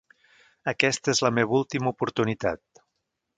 Aquesta és la meva última oportunitat.